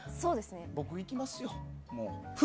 僕、行きますよ。